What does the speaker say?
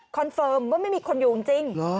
เฟิร์มว่าไม่มีคนอยู่จริง